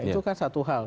itu kan satu hal